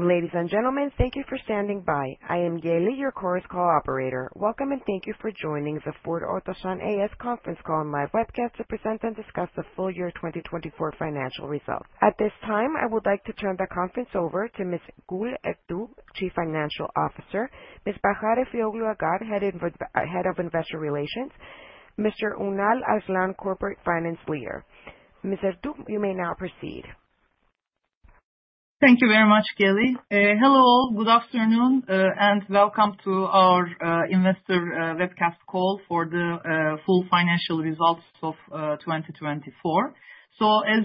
Ladies and gentlemen, thank you for standing by. I am Kelly, your Chorus Call operator. Welcome, and thank you for joining the Ford Otosan A.Ş. conference call and live webcast to present and discuss the full year 2024 financial results. At this time, I would like to turn the conference over to Ms. Gül Ertuğ, Chief Financial Officer, Ms. Bahar Efeoğlu Ağar, head of investor relations, Mr. Ünal Arslan, Corporate Finance Leader. Ms. Ertuğ, you may now proceed. Thank you very much, Kelly. Hello, good afternoon, and welcome to our investor webcast call for the full financial results of 2024.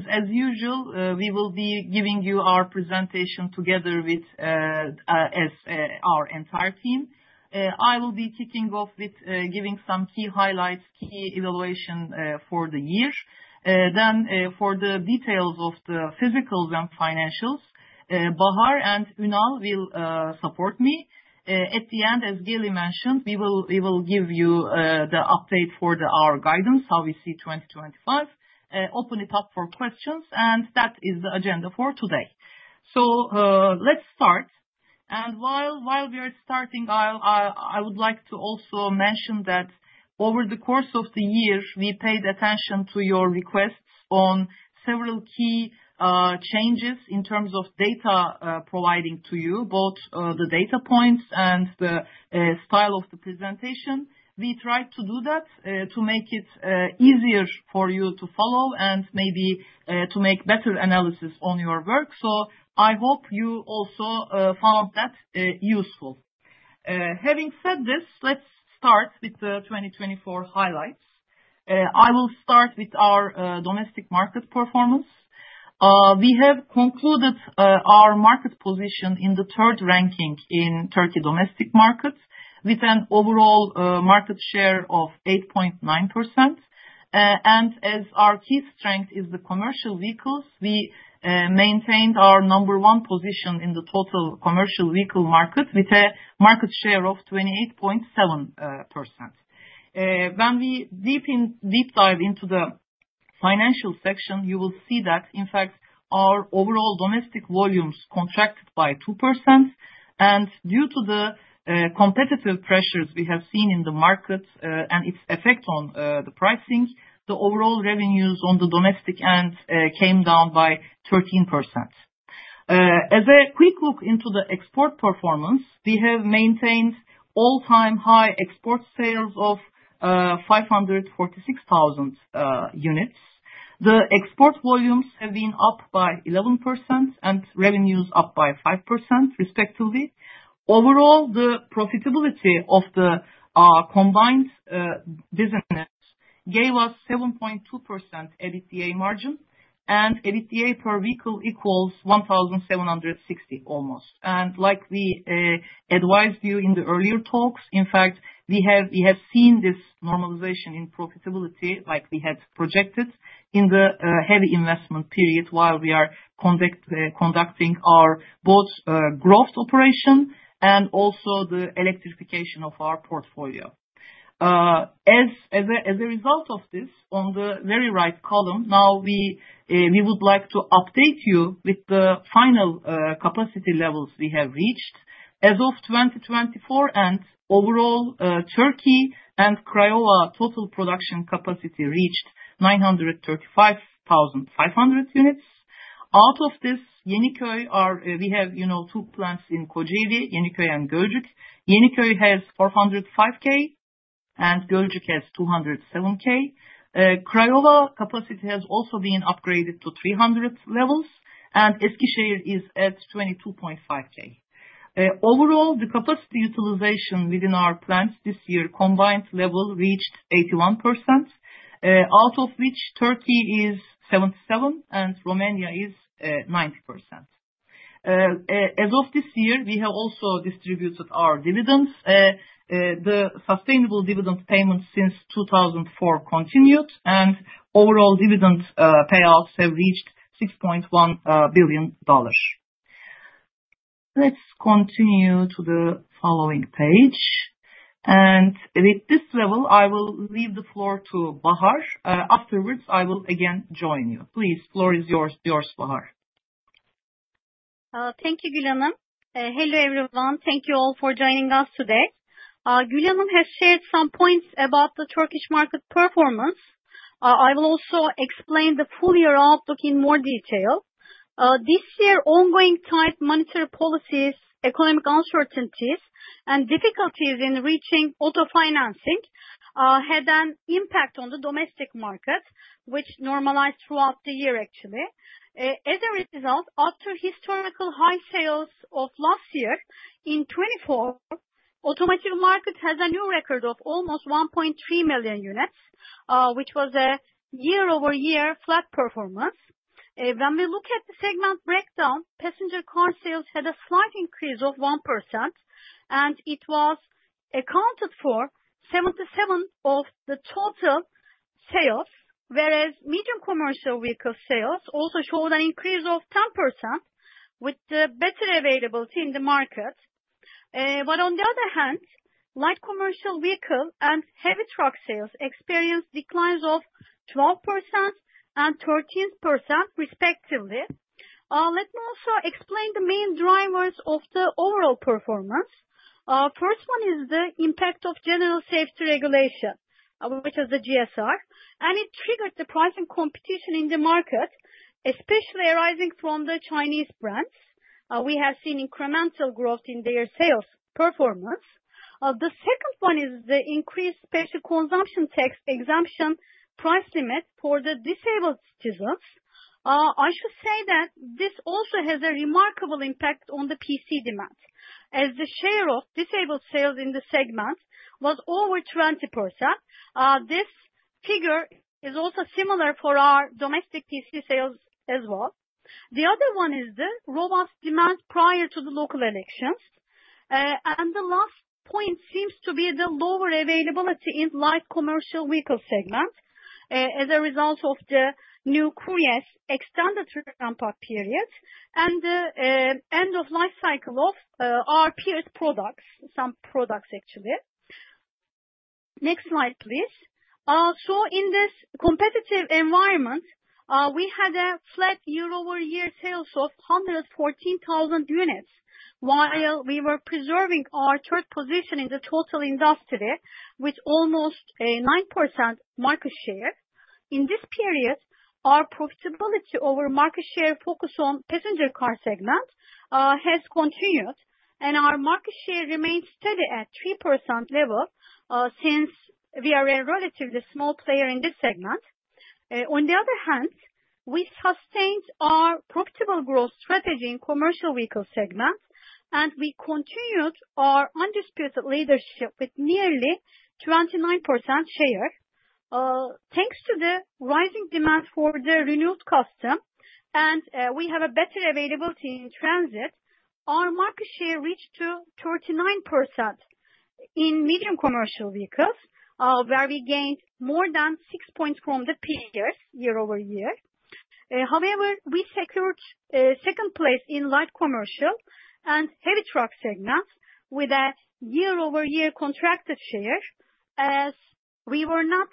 As usual, we will be giving you our presentation together with our entire team. I will be kicking off with giving some key highlights, key valuation for the year. Then, for the details of the vehicles and financials, Bahar and Ünal will support me. At the end, as Kelly mentioned, we will give you the update for our guidance, how we see 2025, open it up for questions, and that is the agenda for today. Let's start. While we are starting, I'll I would like to also mention that over the course of the years, we paid attention to your requests on several key changes in terms of data providing to you, both the data points and the style of the presentation. We tried to do that to make it easier for you to follow and maybe to make better analysis on your work. I hope you also found that useful. Having said this, let's start with the 2024 highlights. I will start with our domestic market performance. We have concluded our market position in the third ranking in Turkey domestic markets with an overall market share of 8.9%. As our key strength is the commercial vehicles, we maintained our number one position in the total commercial vehicle market with a market share of 28.7%. When we deep dive into the financial section, you will see that in fact, our overall domestic volumes contracted by 2%. Due to the competitive pressures we have seen in the market and its effect on the pricing, the overall revenues on the domestic end came down by 13%. As a quick look into the export performance, we have maintained all-time high export sales of 546,000 units. The export volumes have been up by 11% and revenues up by 5% respectively. Overall, the profitability of the combined business gave us 7.2% EBITDA margin, and EBITDA per vehicle equals 1,760 almost. Like we advised you in the earlier talks, in fact, we have seen this normalization in profitability like we had projected in the heavy investment period while we are conducting our both growth operation and also the electrification of our portfolio. As a result of this, on the very right column now we would like to update you with the final capacity levels we have reached. As of 2024 and overall, Turkey and Craiova total production capacity reached 935,500 units. Out of this, Yeniköy. We have, you know, two plants in Kocaeli, Yeniköy and Gölcük. Yeniköy has 405K, and Gölcük has 207K. Craiova capacity has also been upgraded to 300 levels, and Eskişehir is at 22.5K. Overall, the capacity utilization within our plants this year combined level reached 81%, out of which Turkey is 77% and Romania is 90%. As of this year, we have also distributed our dividends. The sustainable dividend payments since 2004 continued, and overall dividend payouts have reached $6.1 billion. Let's continue to the following page. With this level, I will leave the floor to Bahar. Afterwards, I will again join you. Please, floor is yours, Bahar. Thank you, Gül Ertuğ. Hello, everyone. Thank you all for joining us today. Gül Ertuğ has shared some points about the Turkish market performance. I will also explain the full year outlook in more detail. This year, ongoing tight monetary policies, economic uncertainties, and difficulties in reaching auto financing, had an impact on the domestic market, which normalized throughout the year actually. As a result, after historical high sales of last year, in 2024, automotive market has a new record of almost 1.3 million units, which was a year-over-year flat performance. When we look at the segment breakdown, passenger car sales had a slight increase of 1%, and it was accounted for 77% of the total sales. Whereas medium commercial vehicle sales also showed an increase of 10% with the better availability in the market. On the other hand, light commercial vehicle and heavy truck sales experienced declines of 12% and 13% respectively. Let me also explain the main drivers of the overall performance. First one is the impact of General Safety Regulation, which is the GSR, and it triggered the price and competition in the market, especially arising from the Chinese brands. We have seen incremental growth in their sales performance. The second one is the increased special consumption tax exemption price limit for the disabled citizens. I should say that this also has a remarkable impact on the PC demand, as the share of disabled sales in the segment was over 20%. This figure is also similar for our domestic PC sales as well. The other one is the robust demand prior to the local elections. The last point seems to be the lower availability in light commercial vehicle segment, as a result of the new Courier's extended ramp-up period and the, end of life cycle of, our prior products. Some products actually. Next slide, please. In this competitive environment, we had a flat year-over-year sales of 114,000 units, while we were preserving our third position in the total industry with almost a 9% market share. In this period, our profitability over market share focus on passenger car segment, has continued, and our market share remains steady at 3% level, since we are a relatively small player in this segment. On the other hand, we sustained our profitable growth strategy in commercial vehicle segments, and we continued our undisputed leadership with nearly 29% share. Thanks to the rising demand for the renewed Custom and we have a better availability in Transit. Our market share reached to 39% in medium commercial vehicles, where we gained more than six points from the previous year-over-year. However, we secured second place in light commercial and heavy truck segments with a year-over-year contracted share, as we were not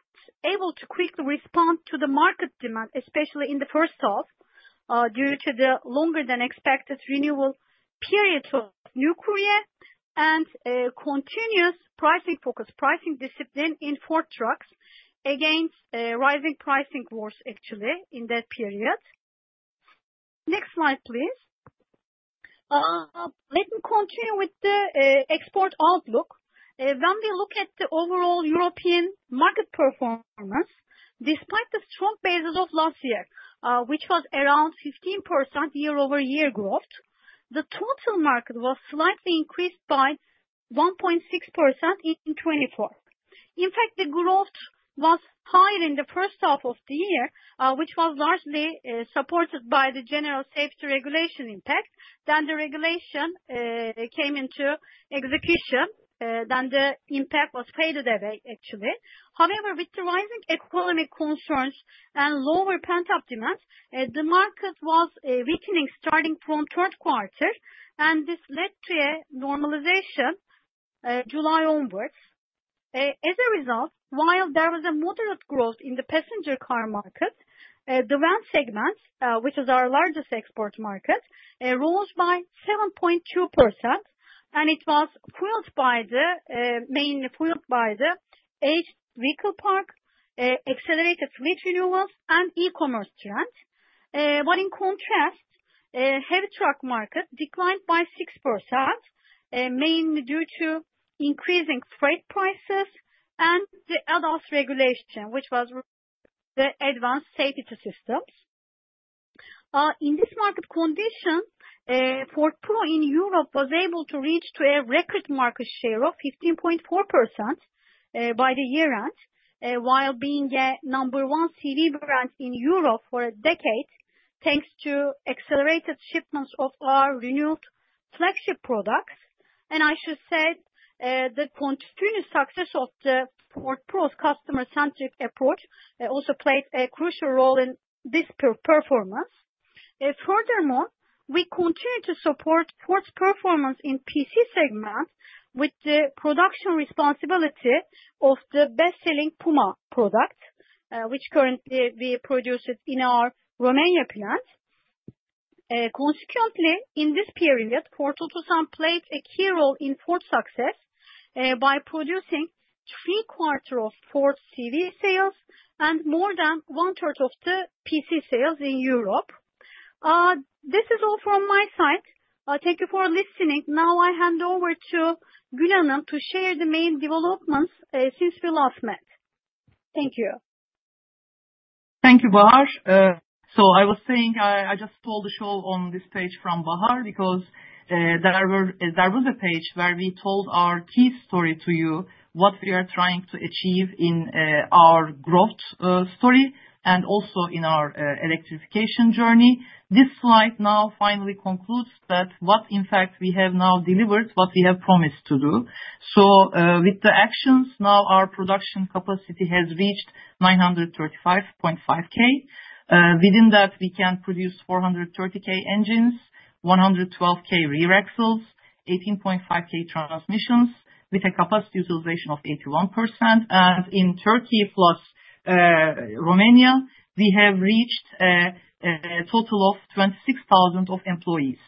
able to quickly respond to the market demand, especially in the first half, due to the longer than expected renewal period of new Courier and continuous pricing focus, pricing discipline in Ford Trucks against rising pricing wars actually in that period. Next slide, please. Let me continue with the export outlook. When we look at the overall European market performance, despite the strong basis of last year, which was around 15% year-over-year growth, the total market was slightly increased by 1.6% in 2024. In fact, the growth was higher in the first half of the year, which was largely supported by the General Safety Regulation impact. Then the regulation came into execution, then the impact was faded away actually. However, with the rising economic concerns and lower pent-up demand, the market was weakening starting from third quarter, and this led to a normalization July onwards. As a result, while there was a moderate growth in the passenger car market, the van segment, which is our largest export market, rose by 7.2% and it was mainly fueled by the aged vehicle park, accelerated fleet renewals and e-commerce trend. In contrast, heavy truck market declined by 6%, mainly due to increasing freight prices and the ADAS regulation, which was the advanced safety systems. In this market condition, Ford Pro in Europe was able to reach to a record market share of 15.4%, by the year end, while being the number one CV brand in Europe for a decade, thanks to accelerated shipments of our renewed flagship products. I should say, the continuous success of the Ford Pro's customer-centric approach also played a crucial role in this performance. Furthermore, we continue to support Ford's performance in PC segment with the production responsibility of the best-selling Puma product, which currently we produced in our Romania plant. Consequently, in this period, Ford Otosan played a key role in Ford's success, by producing 3/4 of Ford's CV sales and more than 1/3 of the PC sales in Europe. This is all from my side. Thank you for listening. Now, I hand over to Gül Ertuğ to share the main developments, since we last met. Thank you. Thank you, Bahar. I was saying I just stole the show on this page from Bahar because there was a page where we told our key story to you, what we are trying to achieve in our growth story and also in our electrification journey. This slide now finally concludes that what in fact we have now delivered what we have promised to do. With the actions now our production capacity has reached 935.5K. Within that we can produce 430K engines, 112K rear axles, 18.5K transmissions with a capacity utilization of 81%. In Turkey plus Romania, we have reached a total of 26,000 employees.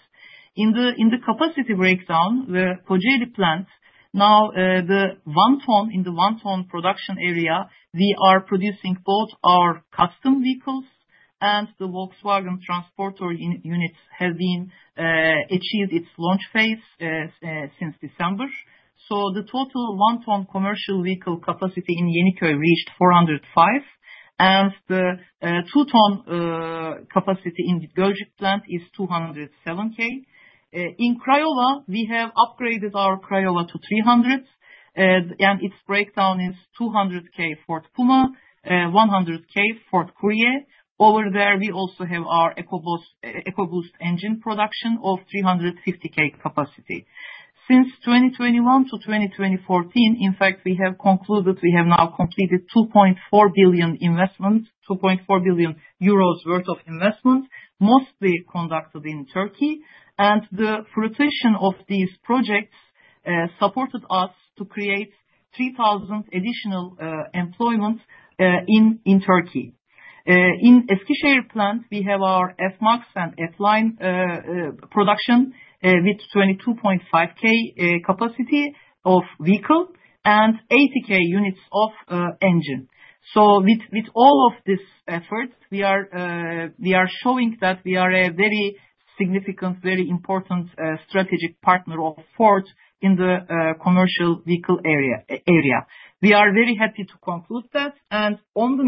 In the capacity breakdown, the Kocaeli plants, now, the one ton production area, we are producing both our Transit Custom vehicles and the Volkswagen Transporter units have achieved its launch phase since December. The total one ton commercial vehicle capacity in Yeniköy reached 405, and the two ton capacity in Gölcük plant is 207K. In Craiova, we have upgraded our Craiova to 300, and its breakdown is 200K Ford Puma, 100K Ford Courier. Over there, we also have our EcoBoost engine production of 350K capacity. Since 2021 to 2024, in fact, we have now completed 2.4 billion worth of investment, mostly conducted in Turkey. The fruition of these projects supported us to create 3,000 additional employment in Turkey. In Eskişehir plant, we have our F-MAX and F-Line production with 22.5K capacity of vehicle and 80K units of engine. With all of this effort, we are showing that we are a very significant, very important strategic partner of Ford in the commercial vehicle area. We are very happy to conclude that. On the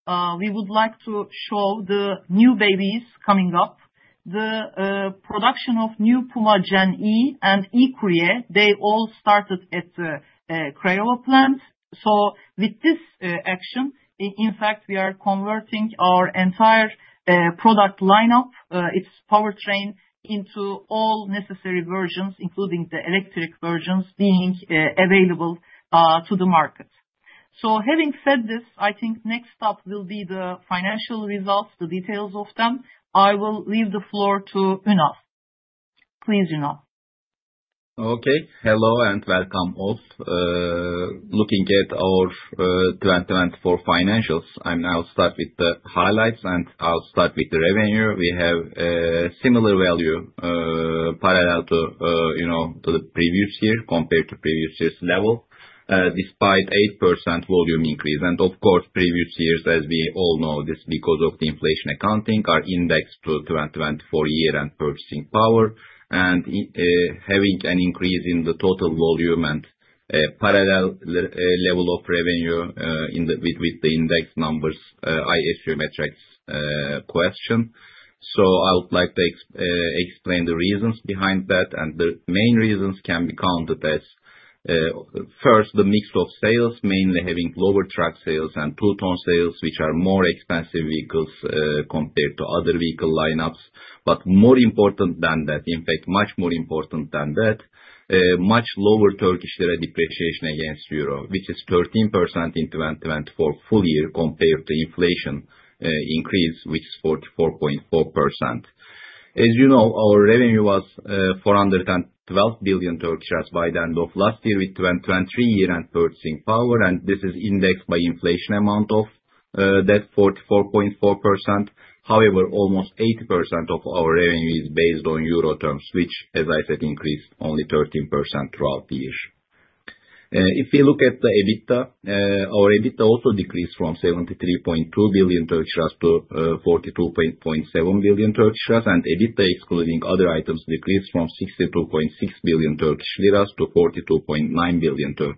next page, we would like to show the new babies coming up. The production of new Puma Gen-E and E-Courier, they all started at Craiova plant. With this action, in fact, we are converting our entire product lineup, its powertrain into all necessary versions, including the electric versions being available to the market. Having said this, I think next up will be the financial results, the details of them. I will leave the floor to Ünal. Please, Ünal. Okay. Hello, and welcome all. Looking at our 2024 financials, I'll now start with the highlights, and I'll start with the revenue. We have similar value parallel to, you know, to the previous year compared to previous year's level, despite 8% volume increase. Of course, previous years, as we all know this, because of the inflation accounting are indexed to 2024 year-end purchasing power and, having an increase in the total volume and, parallel level of revenue, with the index numbers, is a metrics question. I would like to explain the reasons behind that. The main reasons can be counted as first, the mix of sales, mainly having lower truck sales and 2-ton sales, which are more expensive vehicles, compared to other vehicle lineups. More important than that, in fact, much more important than that, much lower Turkish lira depreciation against euro, which is 13% in 2024 full year compared to inflation increase, which is 44.4%. As you know, our revenue was TRY 412 billion by the end of last year with 2023 year-end purchasing power. This is indexed by inflation amount of that 44.4%. However, almost 80% of our revenue is based on euro terms, which as I said increased only 13% throughout the year. If you look at the EBITDA, our EBITDA also decreased from 73.2 billion TL to 42.7 billion TL. EBITDA, excluding other items, decreased from 62.6 billion TL to 42.9 billion TL.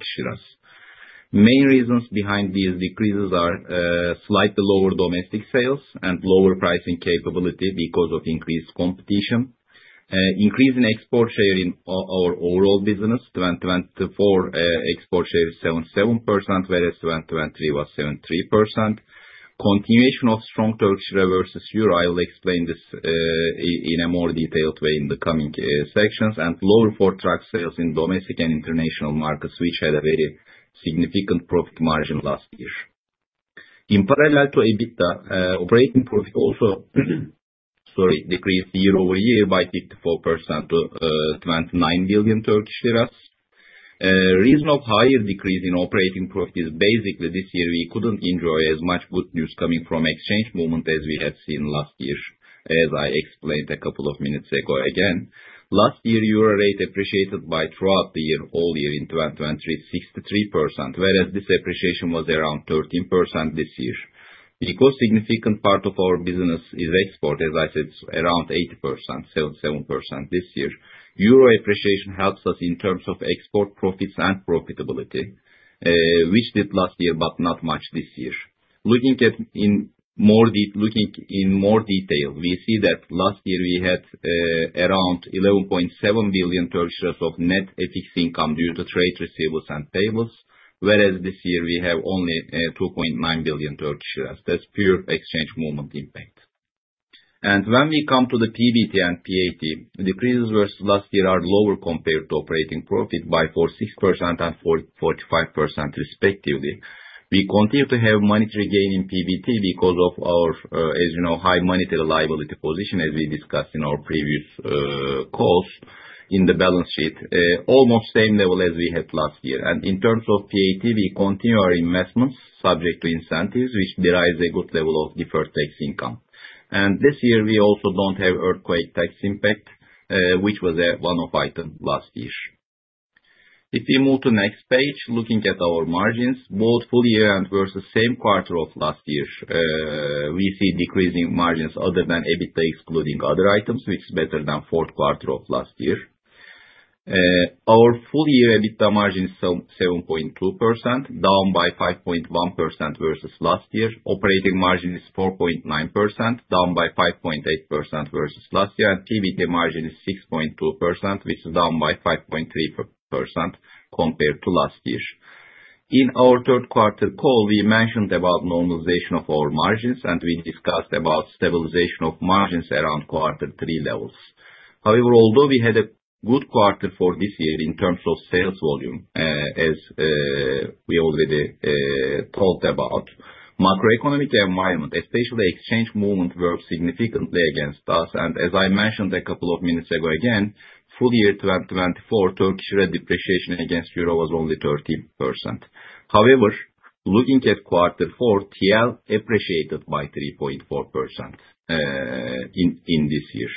Main reasons behind these decreases are slightly lower domestic sales and lower pricing capability because of increased competition. Increase in export share in our overall business. 2024 export share is 77%, whereas 2023 was 73%. Continuation of strong Turkish lira versus euro. I will explain this in a more detailed way in the coming sections. Lower Ford truck sales in domestic and international markets, which had a very significant profit margin last year. In parallel to EBITDA, operating profit also decreased year-over-year by 54% to 29 billion Turkish lira. Reason of higher decrease in operating profit is basically this year we couldn't enjoy as much good news coming from exchange movement as we had seen last year, as I explained a couple of minutes ago again. Last year euro rate appreciated by 63% throughout the year, all year in 2023. Whereas this appreciation was around 13% this year. Because significant part of our business is export, as I said, around 80%, 77% this year. Euro appreciation helps us in terms of export profits and profitability, which did last year, but not much this year. Looking in more detail, we see that last year we had around 11.7 billion of net FX income due to trade receivables and payables. Whereas this year we have only 2.9 billion. That's pure exchange movement impact. When we come to the PBT and PAT, decreases versus last year are lower compared to operating profit by 46% and 45% respectively. We continue to have monetary gain in PBT because of our, as you know, high monetary liability position as we discussed in our previous calls in the balance sheet, almost same level as we had last year. In terms of PAT, we continue our investments subject to incentives, which derives a good level of deferred tax income. This year, we also don't have earthquake tax impact, which was a one-off item last year. If we move to next page, looking at our margins, both full year and versus same quarter of last year, we see decreasing margins other than EBITDA excluding other items, which is better than fourth quarter of last year. Our full year EBITDA margin is 7.2%, down by 5.1% versus last year. Operating margin is 4.9%, down by 5.8% versus last year. PBT margin is 6.2%, which is down by 5.3% compared to last year. In our third quarter call, we mentioned about normalization of our margins and we discussed about stabilization of margins around quarter three levels. However, although we had a good quarter for this year in terms of sales volume, as we already talked about, macroeconomic environment, especially exchange movement, worked significantly against us. As I mentioned a couple of minutes ago, again, full year 2024, Turkish lira depreciation against euro was only 13%. However, looking at quarter four, TL appreciated by 3.4%, in this year.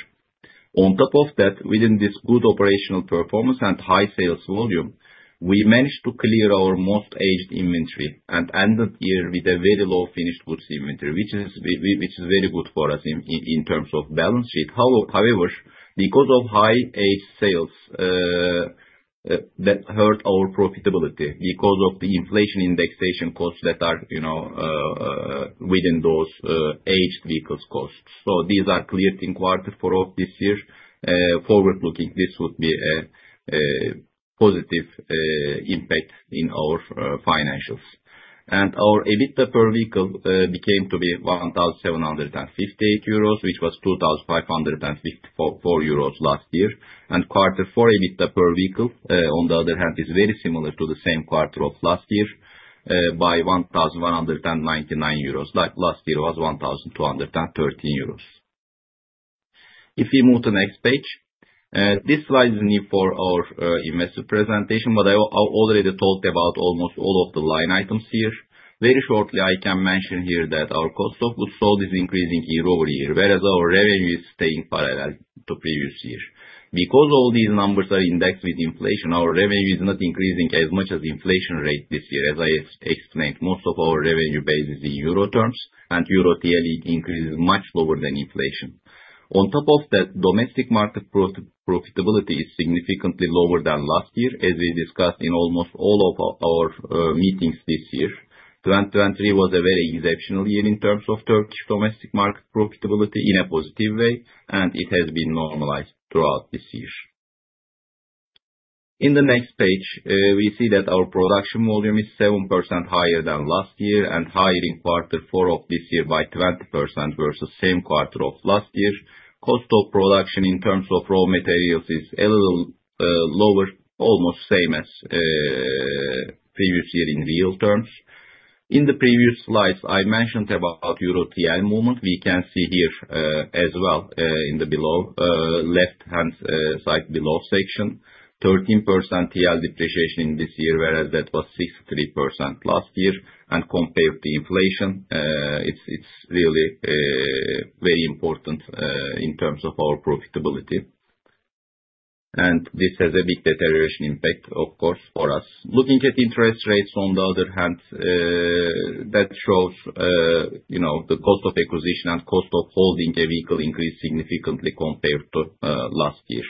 On top of that, within this good operational performance and high sales volume, we managed to clear our most aged inventory and ended year with a very low finished goods inventory, which is very good for us in terms of balance sheet. However, because of high aged sales, that hurt our profitability because of the inflation indexation costs that are, you know, within those aged vehicles costs. So these are cleared in quarter four of this year. Forward looking, this would be a positive impact in our financials. Our EBITDA per vehicle became to be 1,758 euros, which was 2,554 euros last year. Quarter four EBITDA per vehicle, on the other hand, is very similar to the same quarter of last year, at 1,199 euros. Like last year was 1,213 euros. If we move to next page. This slide is new for our investor presentation, but I already talked about almost all of the line items here. Very shortly, I can mention here that our cost of goods sold is increasing year-over-year, whereas our revenue is staying parallel to previous year. Because all these numbers are indexed with inflation, our revenue is not increasing as much as inflation rate this year. As I explained, most of our revenue base is in euro terms, and euro TL increases much lower than inflation. On top of that, domestic market profitability is significantly lower than last year, as we discussed in almost all of our meetings this year. 2023 was a very exceptional year in terms of Turkish domestic market profitability in a positive way, and it has been normalized throughout this year. In the next page, we see that our production volume is 7% higher than last year and higher in quarter four of this year by 20% versus same quarter of last year. Cost of production in terms of raw materials is a little lower, almost same as previous year in real terms. In the previous slides, I mentioned about euro TL movement. We can see here, as well, in the below left-hand side below section, 13% TL depreciation this year, whereas that was 63% last year. Compared to inflation, it's really very important in terms of our profitability. This has a big deterioration impact, of course, for us. Looking at interest rates on the other hand, that shows you know the cost of acquisition and cost of holding a vehicle increased significantly compared to last year.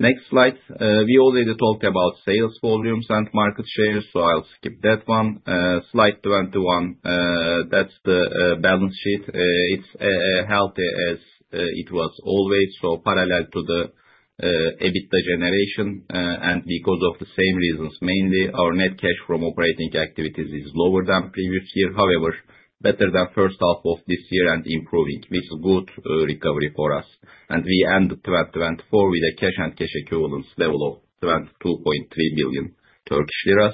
Next slide. We already talked about sales volumes and market shares, so I'll skip that one. Slide 21, that's the balance sheet. It's healthy as it was always, so parallel to the EBITDA generation. Because of the same reasons, mainly our net cash from operating activities is lower than previous year. However, better than first half of this year and improving, which is good recovery for us. We end 2024 with a cash and cash equivalents level of 22.3 billion Turkish lira.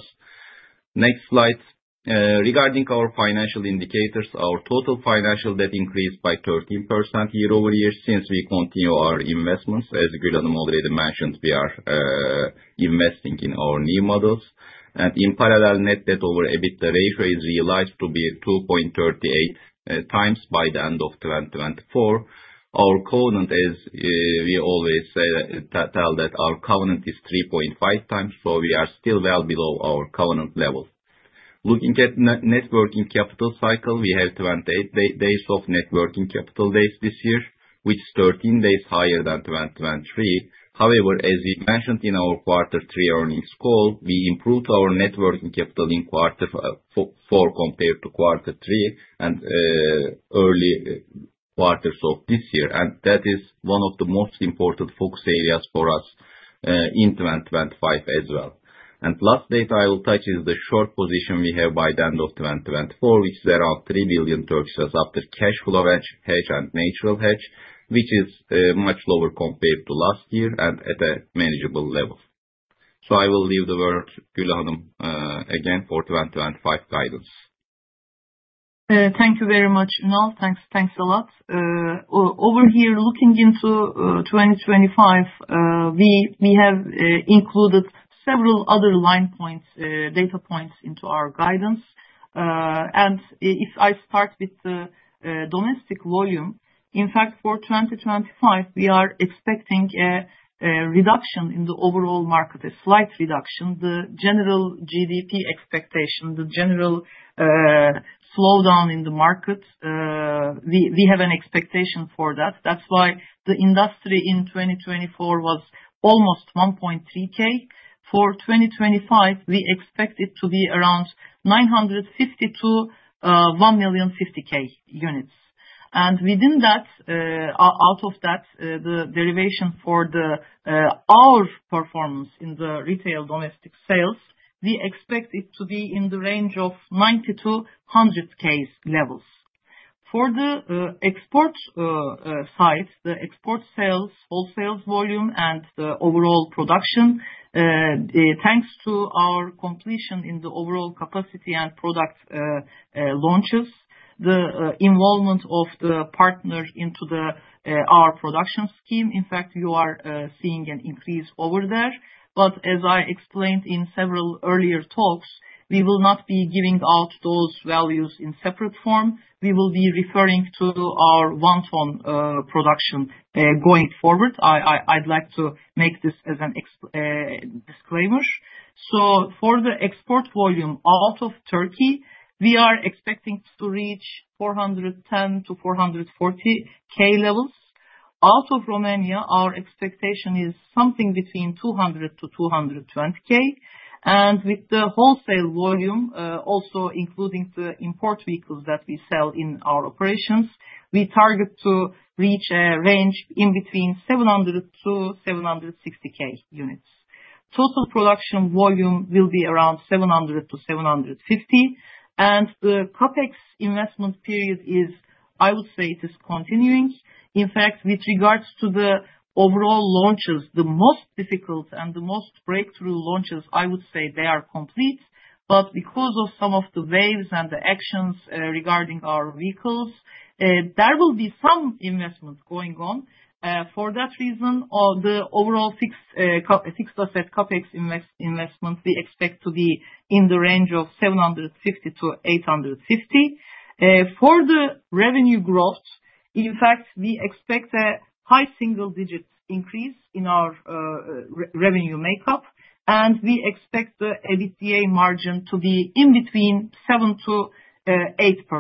Next slide. Regarding our financial indicators, our total financial debt increased by 13% year-over-year since we continue our investments. As Gül Ertuğ already mentioned, we are investing in our new models. In parallel, net debt over EBITDA ratio is realized to be 2.38x by the end of 2024. Our covenant, as we always say, tells that our covenant is 3.5x, so we are still well below our covenant level. Looking at net working capital cycle, we have 28 days of net working capital this year, which is 13 days higher than 2023. However, as we mentioned in our quarter three earnings call, we improved our net working capital in quarter four compared to quarter three and earlier quarters of this year, and that is one of the most important focus areas for us in 2025 as well. The last data I will touch is the short position we have by the end of 2024, which there are TRY 3 billion after cash flow hedge and natural hedge, which is much lower compared to last year and at a manageable level. I will leave the word to Gül Hanım again for 2025 guidance. Thank you very much, Ünal. Thanks a lot. Looking into 2025, we have included several other line points, data points into our guidance. If I start with the domestic volume, in fact, for 2025, we are expecting a reduction in the overall market, a slight reduction. The general GDP expectation, the general slowdown in the market, we have an expectation for that. That's why the industry in 2024 was almost 1.3K. For 2025, we expect it to be around 950-1,050K units. Within that, out of that, the derivation for our performance in the retail domestic sales, we expect it to be in the range of 90-100K levels. For the export side, the export sales, wholesale volume and the overall production, thanks to our completion in the overall capacity and product launches, the involvement of the partner into our production scheme, in fact, you are seeing an increase over there. As I explained in several earlier talks, we will not be giving out those values in separate form. We will be referring to our one ton production going forward. I'd like to make this as a disclaimer. For the export volume out of Turkey, we are expecting to reach 410-440K levels. Out of Romania, our expectation is something between 200-220K. With the wholesale volume, also including the import vehicles that we sell in our operations, we target to reach a range in between 700,000-760,000 units. Total production volume will be around 700,000-750,000. The CapEx investment period is, I would say it is continuing. In fact, with regards to the overall launches, the most difficult and the most breakthrough launches, I would say they are complete. Because of some of the waves and the actions regarding our vehicles, there will be some investments going on. For that reason, the overall fixed asset CapEx investment we expect to be in the range of 750 million-850 million. For the revenue growth, in fact, we expect a high single digits increase in our revenue makeup, and we expect the EBITDA margin to be between 7%-8%.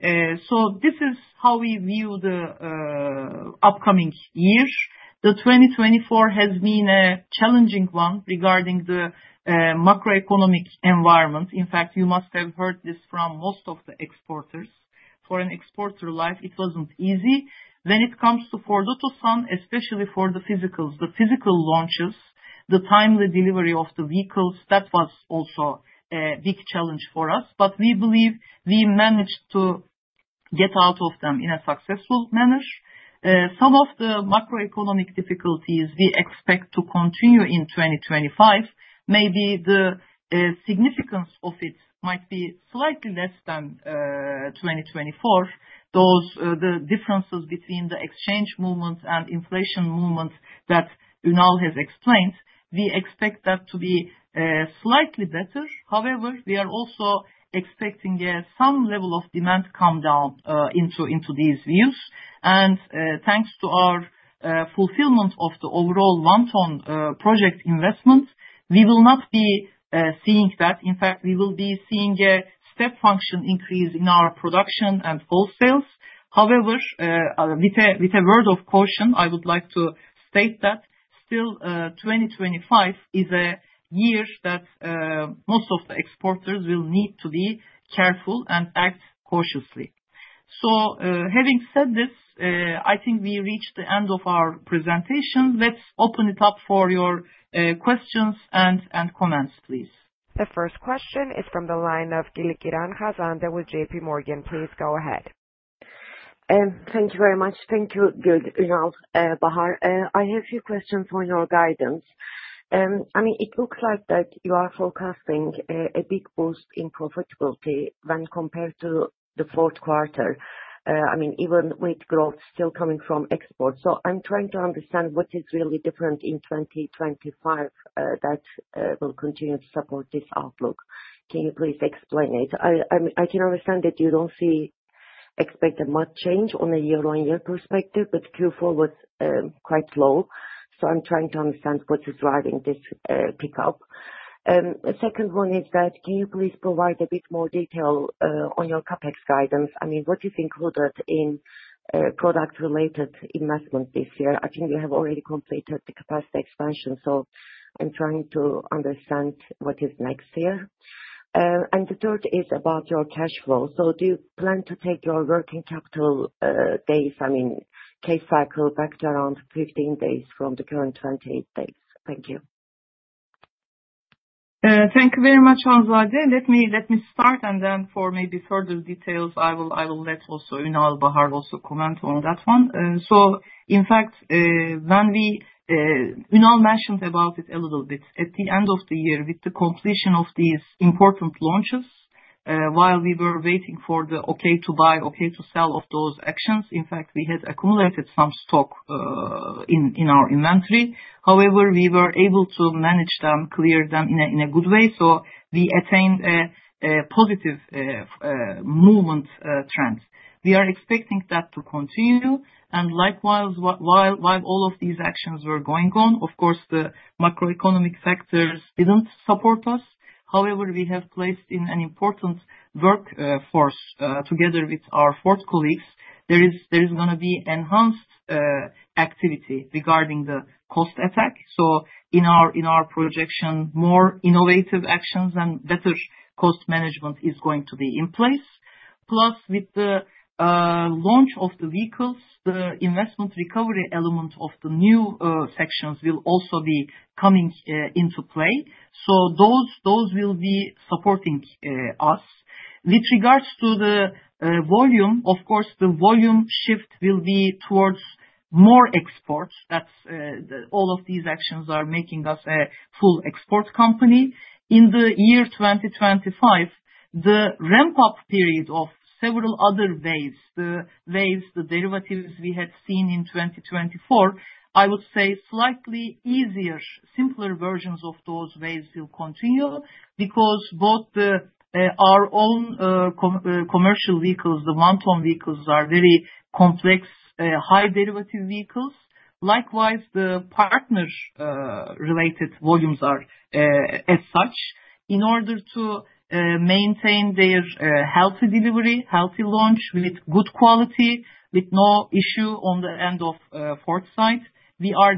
This is how we view the upcoming year. 2024 has been a challenging one regarding the macroeconomic environment. In fact, you must have heard this from most of the exporters. For an exporter life, it wasn't easy. When it comes to Ford Otosan, especially for the physicals, the physical launches, the timely delivery of the vehicles, that was also a big challenge for us. We believe we managed to get out of them in a successful manner. Some of the macroeconomic difficulties we expect to continue in 2025. Maybe the significance of it might be slightly less than 2024. Those, the differences between the exchange movements and inflation movements that Ünal has explained, we expect that to be slightly better. However, we are also expecting some level of demand slowdown into these years. Thanks to our fulfillment of the overall one ton project investment, we will not be seeing that. In fact, we will be seeing a step function increase in our production and wholesales. However, with a word of caution, I would like to state that still, 2025 is a year that most of the exporters will need to be careful and act cautiously. Having said this, I think we reached the end of our presentation. Let's open it up for your questions and comments, please. The first question is from the line of Hanzade Çelikıran with J.P. Morgan. Please go ahead. Thank you very much. Thank you, Gül, Ünal, Bahar. I have a few questions for your guidance. I mean, it looks like you are forecasting a big boost in profitability when compared to the fourth quarter. I mean, even with growth still coming from export. I'm trying to understand what is really different in 2025 that will continue to support this outlook. Can you please explain it? I can understand that you don't expect much change on a year-on-year perspective, but Q4 was quite low. I'm trying to understand what is driving this pickup. The second one is that can you please provide a bit more detail on your CapEx guidance? I mean, what is included in product-related investments this year? I think you have already completed the capacity expansion, so I'm trying to understand what is next year. The third is about your cash flow. Do you plan to take your working capital days, I mean, cash cycle back to around 15 days from the current 28 days? Thank you. Thank you very much, Hanzade. Let me start and then for maybe further details, I will let Ünal, Bahar also comment on that one. In fact, when Unal mentioned about it a little bit. At the end of the year with the completion of these important launches, while we were waiting for the OK to buy, OK to sell of those actions, in fact, we had accumulated some stock in our inventory. However, we were able to manage them, clear them in a good way, so we attained a positive movement trend. We are expecting that to continue. Likewise, while all of these actions were going on, of course, the macroeconomic factors didn't support us. However, we have an important workforce together with our Ford colleagues. There is gonna be enhanced activity regarding the cost effectiveness. In our projection, more innovative actions and better cost management is going to be in place. Plus, with the launch of the vehicles, the investment recovery element of the new sections will also be coming into play. Those will be supporting us. With regards to the volume, of course, the volume shift will be towards more exports. That's all of these actions are making us a full export company. In the year 2025, the ramp-up period of several other waves, the derivatives we had seen in 2024, I would say slightly easier, simpler versions of those waves will continue because both our own commercial vehicles, the one-ton vehicles are very complex, high derivative vehicles. Likewise, the partners related volumes are as such. In order to maintain their healthy delivery, healthy launch with good quality, with no issue on the end of Ford's side, we are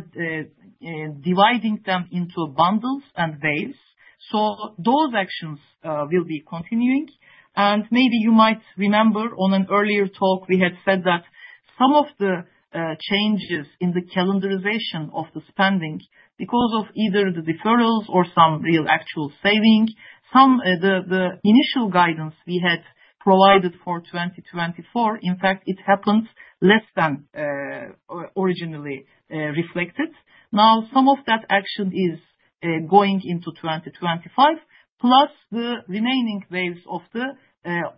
dividing them into bundles and waves. Those actions will be continuing. Maybe you might remember on an earlier talk we had said that some of the changes in the calendarization of the spending because of either the deferrals or some real actual savings, the initial guidance we had provided for 2024, in fact, it happened less than originally reflected. Now, some of that action is going into 2025, plus the remaining waves of the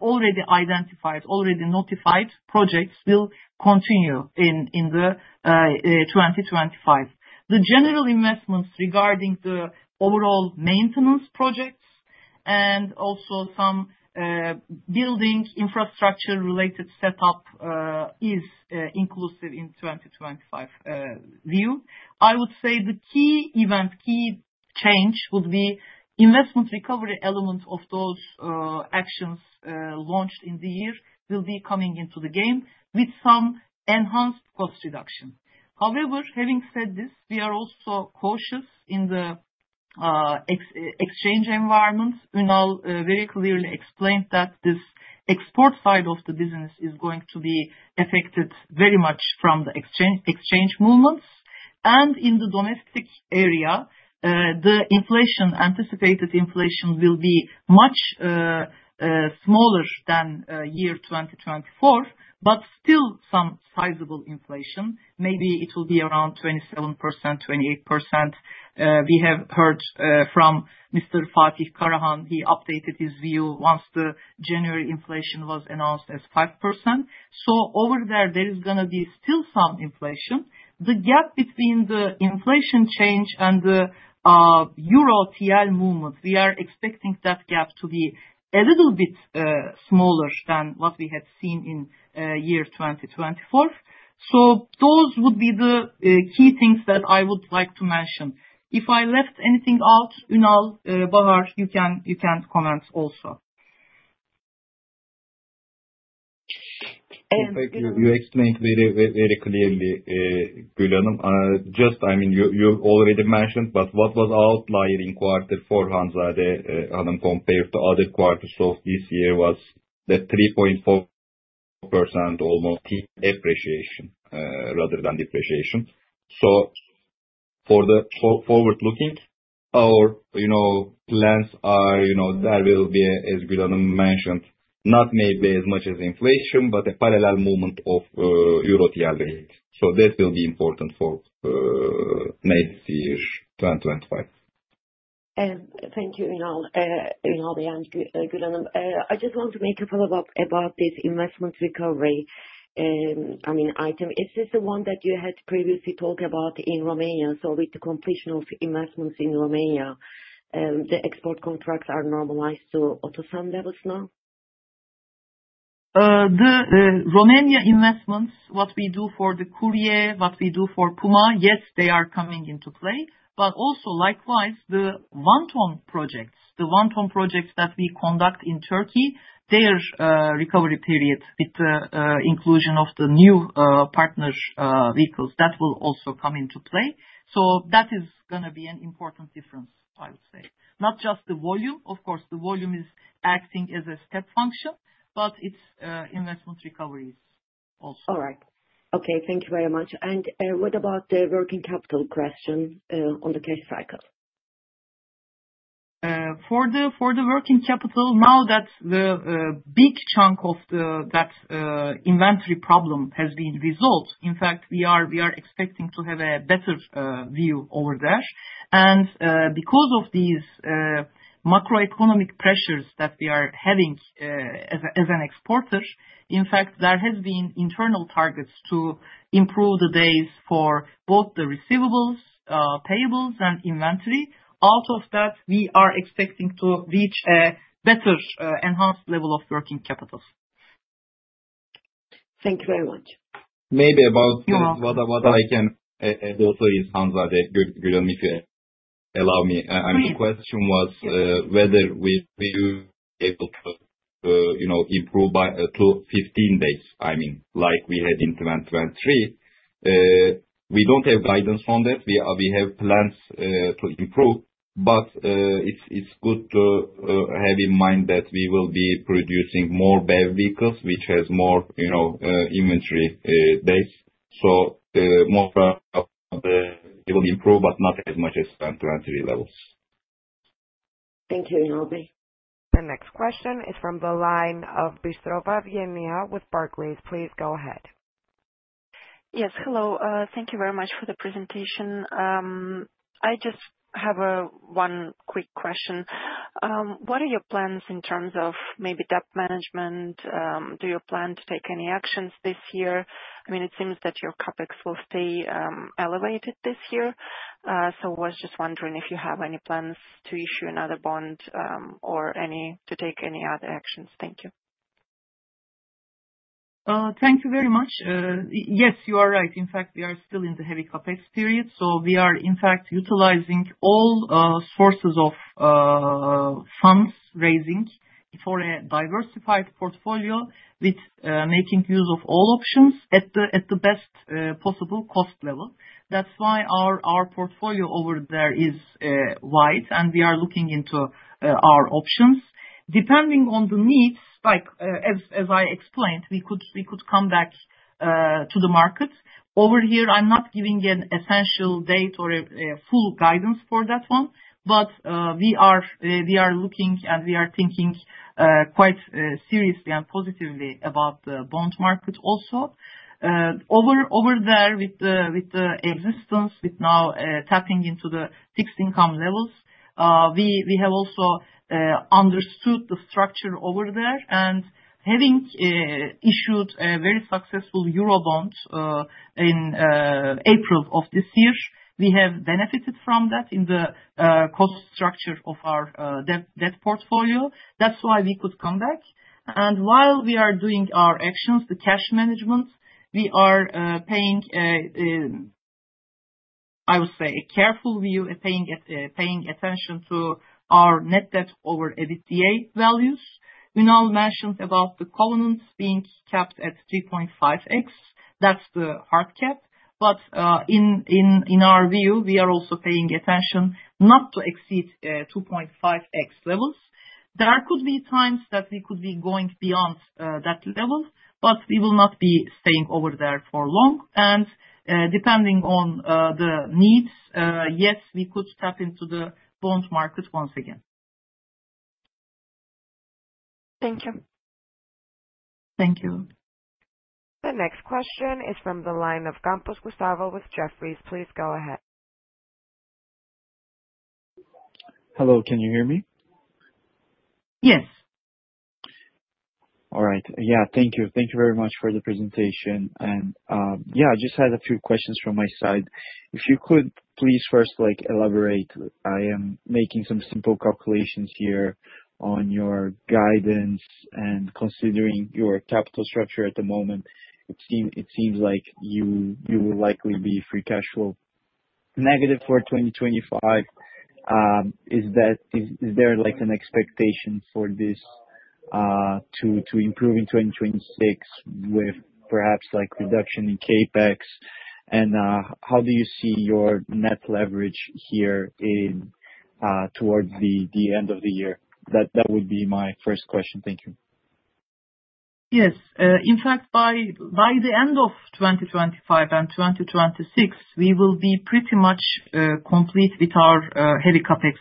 already identified, already notified projects will continue in 2025. The general investments regarding the overall maintenance projects and also some building infrastructure related setup is inclusive in 2025 view. I would say the key event, key change would be investment recovery element of those actions launched in the year will be coming into the game with some enhanced cost reduction. However, having said this, we are also cautious in the exchange environment. We now very clearly explained that this export side of the business is going to be affected very much from the exchange movements. In the domestic area, the anticipated inflation will be much smaller than year 2024, but still some sizable inflation. Maybe it will be around 27%, 28%. We have heard from Mr. Fatih Karahan. He updated his view once the January inflation was announced as 5%. Over there is gonna be still some inflation. The gap between the inflation change and the Euro TL movement, we are expecting that gap to be a little bit smaller than what we had seen in year 2024. Those would be the key things that I would like to mention. If I left anything out, Ünal, Bahar, you can comment also. Um- You explained very clearly, Gül Hanım. I mean, you already mentioned, but what was outlier quarter for Hanzade Hanım compared to other quarters of this year was the almost 3.4% depreciation rather than appreciation. For the forward-looking, you know, plans are, you know, there will be, as Gül Hanım mentioned, maybe not as much as inflation, but a parallel movement of euro TL. This will be important for maybe year 2025. Thank you, Ünal. Ünal and Gül Hanım. I just want to make a follow-up about this investment recovery. I mean, item. Is this the one that you had previously talked about in Romania? With the completion of investments in Romania, the export contracts are normalized to Otosan levels now? The Romania investments, what we do for the Courier, what we do for Puma, yes, they are coming into play. Also likewise, the one-ton projects that we conduct in Turkey, their recovery period with the inclusion of the new partner vehicles, that will also come into play. That is gonna be an important difference, I would say. Not just the volume. Of course, the volume is acting as a step function, but its investment recovery is. All right. Okay, thank you very much. What about the working capital question on the cash cycle? For the working capital, now that the big chunk of the inventory problem has been resolved, in fact, we are expecting to have a better view over that. Because of these macroeconomic pressures that we are having, as an exporter, in fact, there has been internal targets to improve the days for both the receivables, payables and inventory. Out of that, we are expecting to reach a better enhanced level of working capital. Thank you very much. Maybe about- You're welcome. In summary, Gül Ertuğ, if you allow me. The question was whether we will be able to you know improve by to 15 days, I mean, like we had in 2023. We don't have guidance on that. We have plans to improve. It's good to have in mind that we will be producing more BEV vehicles, which has more you know inventory days. The more it will improve, but not as much as 2023 levels. Thank you, İlhami. The next question is from the line of Vilma Bystrova with Barclays. Please go ahead. Yes, hello. Thank you very much for the presentation. I just have one quick question. What are your plans in terms of maybe debt management? Do you plan to take any actions this year? I mean, it seems that your CapEx will stay elevated this year. So I was just wondering if you have any plans to issue another bond or to take any other actions. Thank you. Thank you very much. Yes, you are right. In fact, we are still in the heavy CapEx period. We are in fact utilizing all sources of fundraising for a diversified portfolio with making use of all options at the best possible cost level. That's why our portfolio over there is wide, and we are looking into our options. Depending on the needs, like, as I explained, we could come back to the market. Over here, I'm not giving an essential date or a full guidance for that one, but we are looking and we are thinking quite seriously and positively about the bond market also. Over there with the assistance, now tapping into the fixed income levels, we have also understood the structure over there. Having issued a very successful euro bond in April of this year, we have benefited from that in the cost structure of our debt portfolio. That's why we could come back. While we are doing our actions, the cash management, we are paying, I would say, a careful view and paying attention to our net debt/EBITDA values. Ünal mentioned about the covenants being kept at 3.5x. That's the hard cap. In our view, we are also paying attention not to exceed 2.5x levels. There could be times that we could be going beyond that level, but we will not be staying over there for long. Depending on the needs, yes, we could tap into the bond market once again. Thank you. Thank you. The next question is from the line of Gustavo Campos with Jefferies. Please go ahead. Hello, can you hear me? Yes. All right. Yeah, thank you. Thank you very much for the presentation. Yeah, I just had a few questions from my side. If you could please first like elaborate, I am making some simple calculations here on your guidance and considering your capital structure at the moment, it seems like you will likely be free cash flow negative for 2025. Is there like an expectation for this to improve in 2026 with perhaps like reduction in CapEx? How do you see your net leverage here towards the end of the year? That would be my first question. Thank you. Yes. In fact, by the end of 2025 and 2026, we will be pretty much complete with our heavy CapEx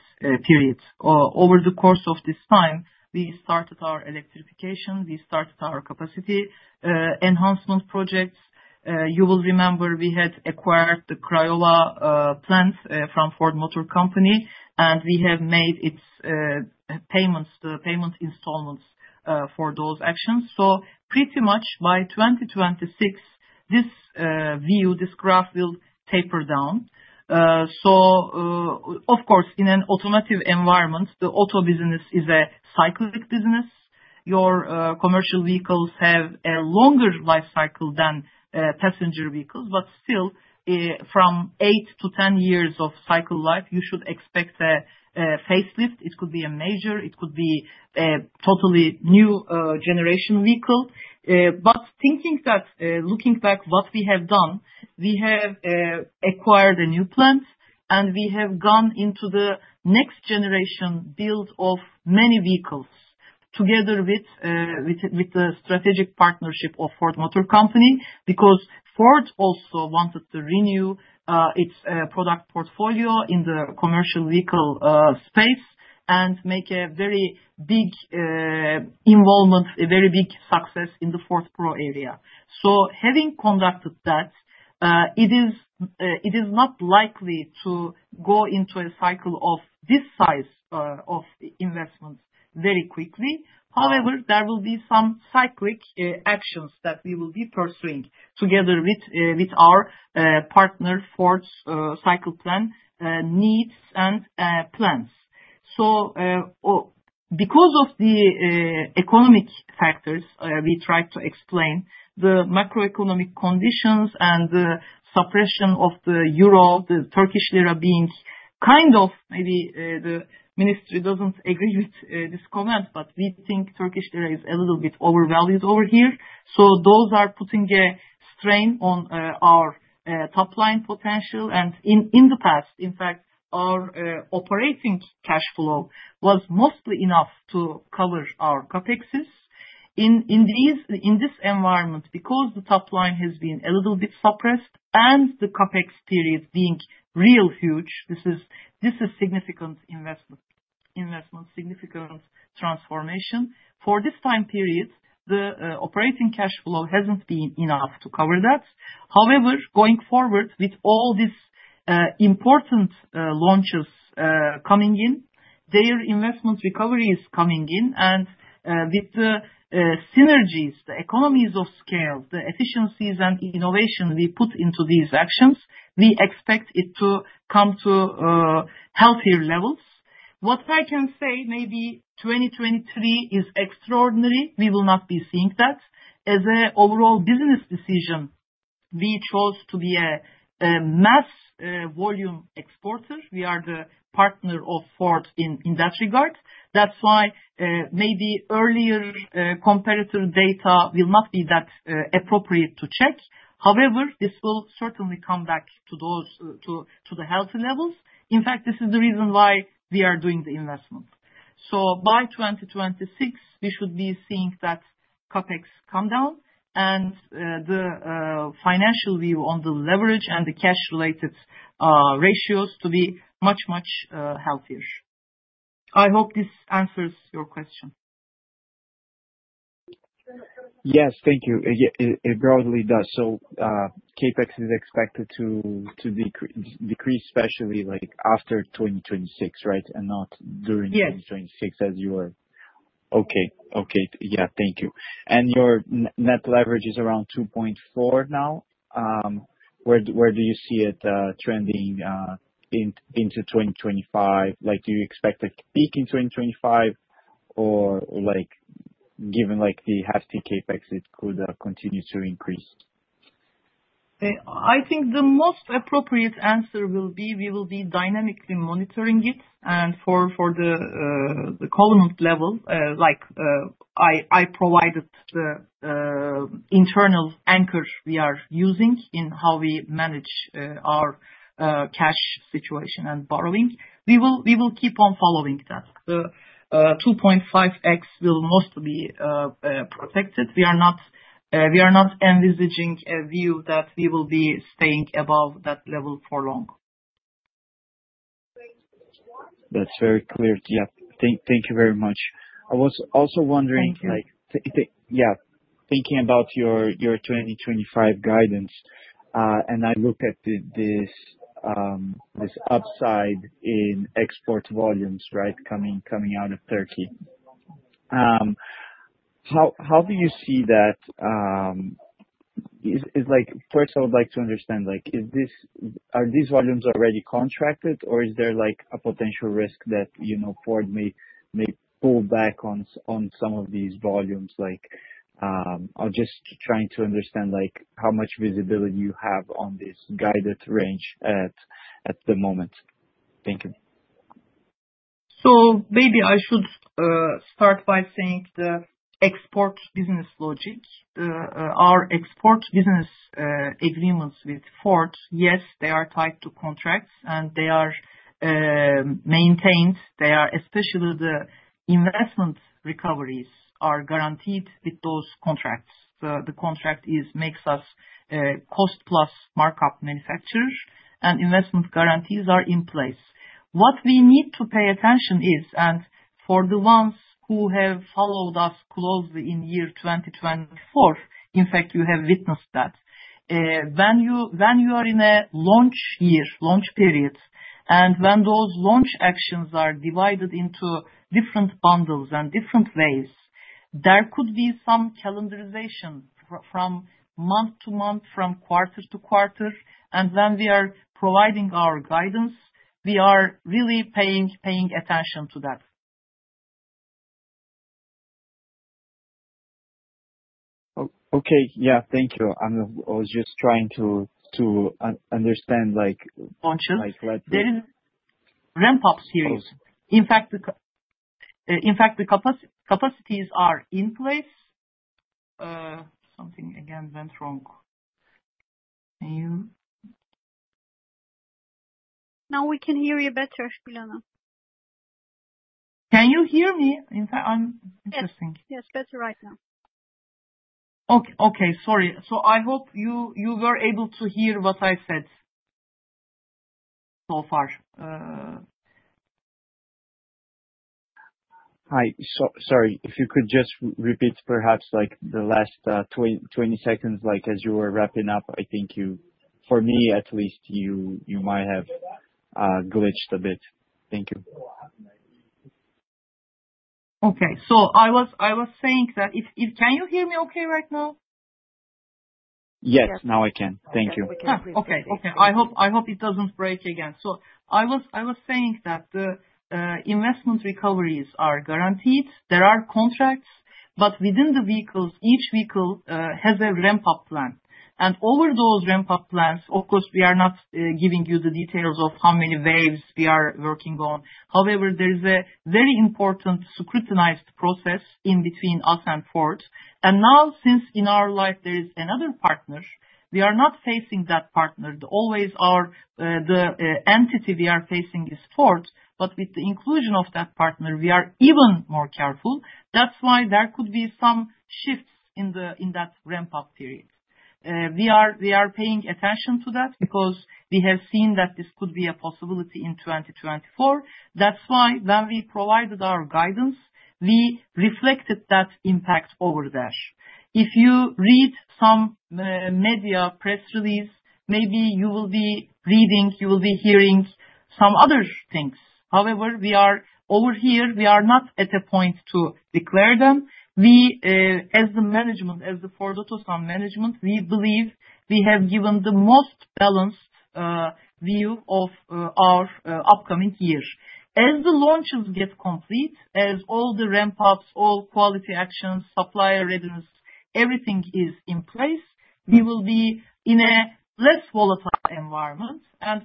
period. Over the course of this time, we started our electrification, we started our capacity enhancement projects. You will remember we had acquired the Craiova plant from Ford Motor Company, and we have made its payments, the payment installments, for those actions. Pretty much by 2026, this view, this graph will taper down. Of course, in an alternating environment, the auto business is a cyclic business. Your commercial vehicles have a longer life cycle than passenger vehicles, but still, from eight to 10 years of cycle life, you should expect a facelift. It could be a major. It could be a totally new generation vehicle. Thinking that, looking back what we have done, we have acquired a new plant and we have gone into the next generation build of many vehicles. Together with the strategic partnership of Ford Motor Company. Because Ford also wanted to renew its product portfolio in the commercial vehicle space and make a very big involvement, a very big success in the Ford Pro area. Having conducted that, it is not likely to go into a cycle of this size of investments very quickly. However, there will be some cyclic actions that we will be pursuing together with our partner Ford's cycle plan, needs and plans. Because of the economic factors we tried to explain, the macroeconomic conditions and the suppression of the euro, the Turkish lira being kind of maybe the ministry doesn't agree with this comment, but we think Turkish lira is a little bit overvalued over here. Those are putting a strain on our top line potential. In the past, in fact, our operating cash flow was mostly enough to cover our CapEx. In this environment, because the top line has been a little bit suppressed and the CapEx period being really huge, this is significant investment, significant transformation. For this time period, the operating cash flow hasn't been enough to cover that. However, going forward with all this important launches coming in, their investment recovery is coming in. With the synergies, the economies of scale, the efficiencies and innovation we put into these actions, we expect it to come to healthier levels. What I can say, maybe 2023 is extraordinary. We will not be seeing that. As a overall business decision, we chose to be a mass volume exporter. We are the partner of Ford in that regard. That's why maybe earlier competitor data will not be that appropriate to check. However, this will certainly come back to those healthy levels. In fact, this is the reason why we are doing the investment. By 2026 we should be seeing that CapEx come down and the financial view on the leverage and the cash related ratios to be much healthier. I hope this answers your question. Yes, thank you. Yeah, it broadly does. CapEx is expected to decrease especially like after 2026, right? Not during- Yes. Okay. Okay. Yeah. Thank you. Your net leverage is around 2.4 now. Where do you see it trending into 2025? Like, do you expect a peak in 2025 or like, given like the hefty CapEx, it could continue to increase? I think the most appropriate answer will be, we will be dynamically monitoring it. For the covenant level, like, I provided the internal anchors we are using in how we manage our cash situation and borrowing. We will keep on following that. The 2.5x will mostly protected. We are not envisaging a view that we will be staying above that level for long. That's very clear. Yeah. Thank you very much. I was also wondering- Thank you. Yeah. Thinking about your 2025 guidance. I look at this upside in export volumes, right? Coming out of Turkey. How do you see that? First I would like to understand, is this... Are these volumes already contracted or is there a potential risk that, you know, Ford may pull back on some of these volumes? Like, I'm just trying to understand, like, how much visibility you have on this guided range at the moment. Thank you. Maybe I should start by saying the export business logic. Our export business agreements with Ford, yes, they are tied to contracts and they are maintained. They are, especially the investment recoveries are guaranteed with those contracts. The contract makes us a cost-plus markup manufacturer and investment guarantees are in place. What we need to pay attention to is, and for the ones who have followed us closely in 2024, in fact you have witnessed that. When you are in a launch year, launch periods, and when those launch actions are divided into different bundles and different waves, there could be some calendarization from month to month, from quarters to quarters. When we are providing our guidance, we are really paying attention to that. Okay. Yeah. Thank you. I was just trying to understand, like Function. Like Ramp up series. In fact, the capacities are in place. Something again went wrong. Can you Now we can hear you better, Gül Ertuğ. Can you hear me? Interesting. Yes. Yes, better right now. Okay. Sorry. I hope you were able to hear what I said so far. Hi. Sorry, if you could just repeat perhaps like the last 20 seconds, like, as you were wrapping up. I think you, for me at least, might have glitched a bit. Thank you. Okay. I was saying. Can you hear me okay right now? Yes, now I can. Thank you. I hope it doesn't break again. I was saying that the investment recoveries are guaranteed. There are contracts, but within the vehicles, each vehicle has a ramp-up plan. Over those ramp-up plans, of course, we are not giving you the details of how many waves we are working on. However, there is a very important scrutinized process between us and Ford. Now, since in our life there is another partner, we are not facing that partner. The entity we are facing is always Ford, but with the inclusion of that partner, we are even more careful. That's why there could be some shifts in that ramp-up period. We are paying attention to that because we have seen that this could be a possibility in 2024. That's why when we provided our guidance, we reflected that impact over the dash. If you read some media press release, maybe you will be reading, you will be hearing some other things. However, we are over here, we are not at a point to declare them. We, as the management, as the Ford Otosan management, we believe we have given the most balanced view of our upcoming year. As the launches get complete, as all the ramp-ups, all quality actions, supplier readiness, everything is in place, we will be in a less volatile environment.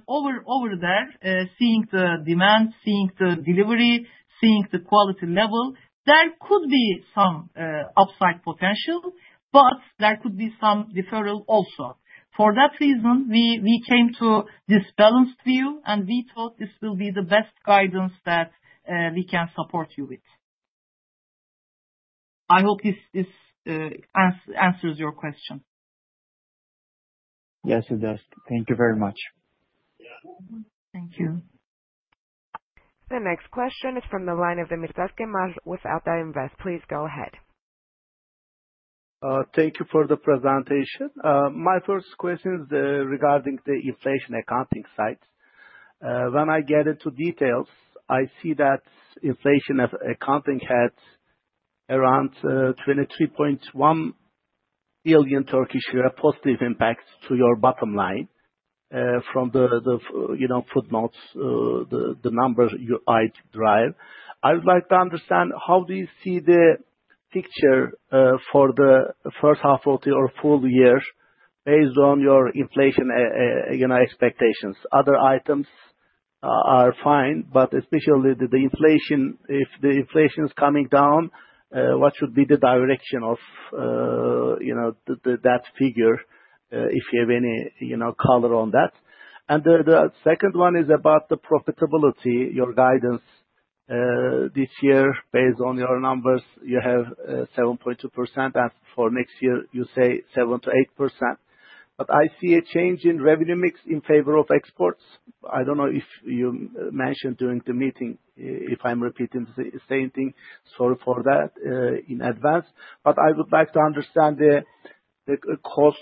Over there, seeing the demand, seeing the delivery, seeing the quality level, there could be some upside potential, but there could be some deferral also. For that reason, we came to this balanced view and we thought this will be the best guidance that we can support you with. I hope this answers your question. Yes, it does. Thank you very much. Thank you. The next question is from the line of Emirtaş Kıymaz with Albaraka Invest. Please go ahead. Thank you for the presentation. My first question is regarding the inflation accounting side. When I get into details, I see that inflation accounting had around 23.1 billion Turkish lira positive impacts to your bottom line from the, you know, footnotes, the numbers you guidance. I would like to understand how do you see the picture for the first half or full year based on your inflation, you know, expectations. Other items are fine, but especially the inflation, if the inflation is coming down, what should be the direction of, you know, the that figure, if you have any, you know, color on that? The second one is about the profitability, your guidance. This year, based on your numbers, you have 7.2%. As for next year, you say 7%-8%. I see a change in revenue mix in favor of exports. I don't know if you mentioned during the meeting, if I'm repeating the same thing, sorry for that, in advance. I would like to understand the costs.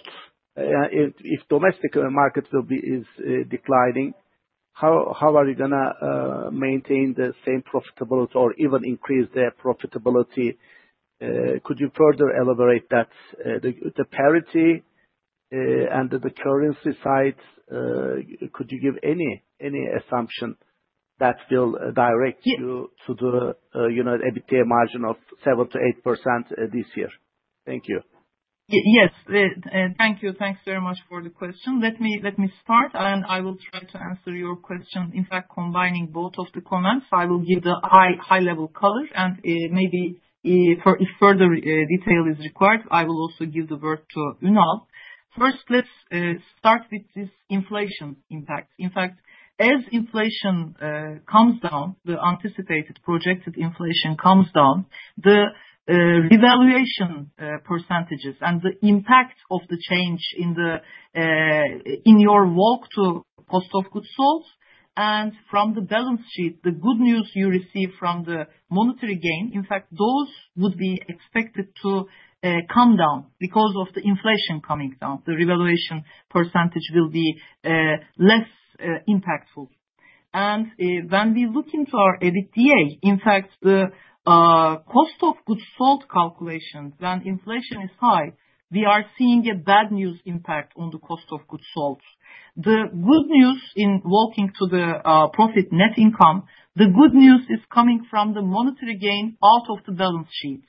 If domestic markets will be declining, how are you gonna maintain the same profitability or even increase their profitability? The parity and the currency side, could you give any assumption that will direct you? Ye- to the, you know, EBITDA margin of 7%-8% this year? Thank you. Yes. Thank you. Thanks very much for the question. Let me start, and I will try to answer your question. In fact, combining both of the comments, I will give the high level colors, and maybe if further detail is required, I will also give the word to Ünal. First, let's start with this inflation impact. In fact, as inflation comes down, the anticipated projected inflation comes down, the revaluation percentages and the impact of the change in your walk to cost of goods sold and from the balance sheet, the good news you receive from the monetary gain, in fact, those would be expected to come down because of the inflation coming down. The revaluation percentage will be less impactful. When we look into our EBITDA, in fact, the cost of goods sold calculations, when inflation is high, we are seeing a bad news impact on the cost of goods sold. The good news in working to the profit net income, the good news is coming from the monetary gain out of the balance sheet.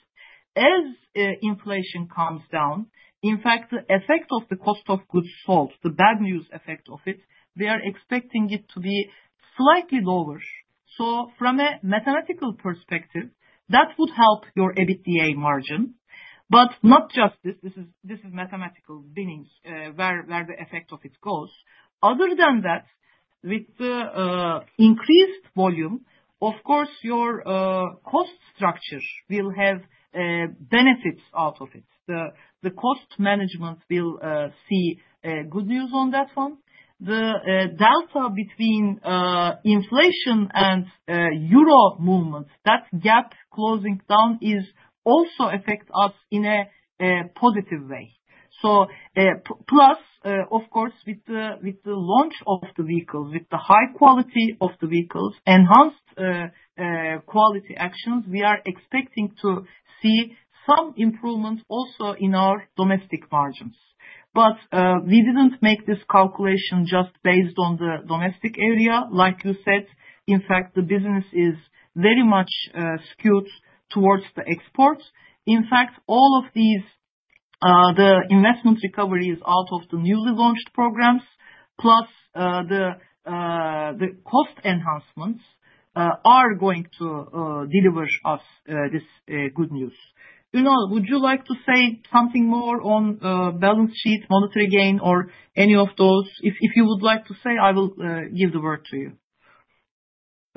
As inflation calms down, in fact, the effect of the cost of goods sold, the bad news effect of it, we are expecting it to be slightly lower. From a mathematical perspective, that would help your EBITDA margin. Not just this is mathematical benign, where the effect of it goes. Other than that, with the increased volume, of course, your cost structure will have benefits out of it. The cost management will see good news on that one. The delta between inflation and euro movement, that gap closing down is also affect us in a positive way. P-plus of course with the launch of the vehicles with the high quality of the vehicles enhanced quality actions we are expecting to see some improvements also in our domestic margins. We didn't make this calculation just based on the domestic area, like you said. In fact, the business is very much skewed towards the exports. In fact, all of these the investment recovery is out of the newly launched programs plus the cost enhancements are going to deliver us this good news. Ünal, would you like to say something more on balance sheet, monetary gain or any of those? If you would like to say, I will give the word to you.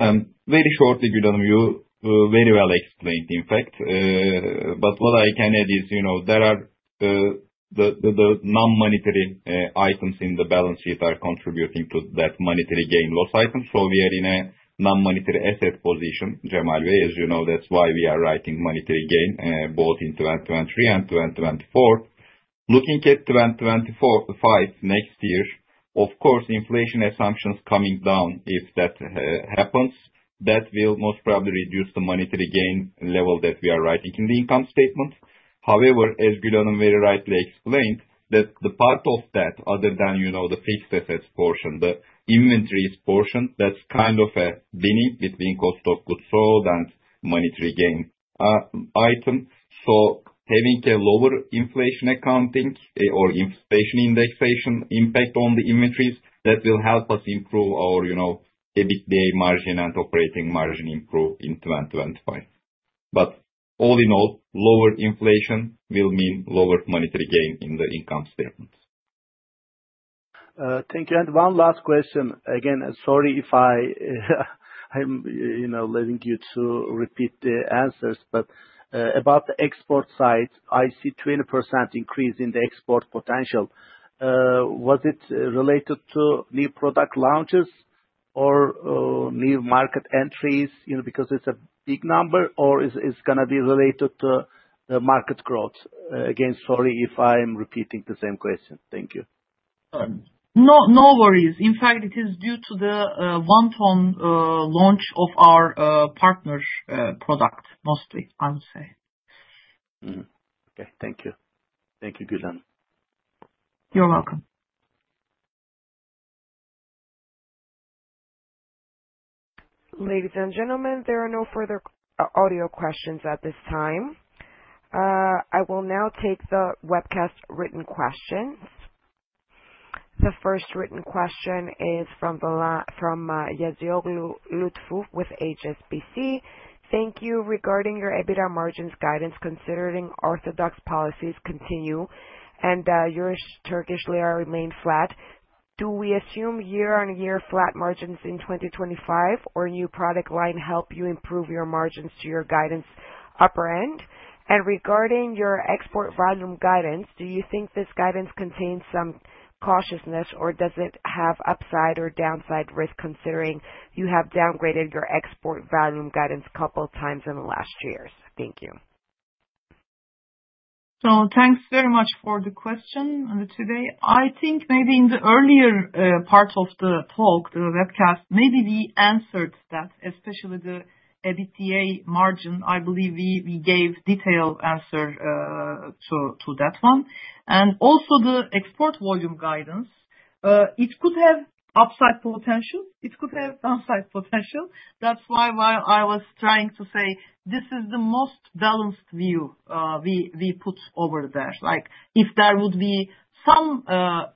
Very short, if you don't mind. You very well explained, in fact. But what I can add is, you know, there are the non-monetary items in the balance sheet are contributing to that monetary gain loss item. We are in a non-monetary asset position, Cemal, as you know, that's why we are writing monetary gain both in 2023 and 2024. Looking at 2024-2025 next year, of course, inflation assumptions coming down if that happens, that will most probably reduce the monetary gain level that we are writing in the income statement. However, as Gül Ertuğ very rightly explained, that the part of that other than, you know, the fixed assets portion, the inventories portion, that's kind of a win-win between cost of goods sold and monetary gain item. Having a lower inflation accounting or inflation indexation impact on the inventories, that will help us improve our, you know, EBITDA margin and operating margin improve in 2025. All in all, lower inflation will mean lower monetary gain in the income statements. One last question. Again, sorry if I'm letting you to repeat the answers. About the export side, I see 20% increase in the export potential. Was it related to new product launches or new market entries, because it's a big number or is gonna be related to the market growth? Again, sorry if I'm repeating the same question. Thank you. No, no worries. In fact, it is due to the one-ton launch of our partner's product, mostly, I would say. Okay. Thank you. Thank you, Gül Ertuğ. You're welcome. Ladies and gentlemen, there are no further audio questions at this time. I will now take the webcast written questions. The first written question is from Lütfü Yazıcı with HSBC. Thank you. Regarding your EBITDA margins guidance, considering orthodox policies continue and euro-Turkish lira remain flat, do we assume year-on-year flat margins in 2025 or new product line help you improve your margins to your guidance upper end? And regarding your export volume guidance, do you think this guidance contains some cautiousness or does it have upside or downside risk, considering you have downgraded your export volume guidance a couple times in the last years? Thank you. Thanks very much for the question, Lütfü. I think maybe in the earlier part of the talk, the webcast, maybe we answered that, especially the EBITDA margin. I believe we gave detailed answer to that one. Also the export volume guidance, it could have upside potential, it could have downside potential. That's why I was trying to say this is the most balanced view, we put over there. Like, if there would be some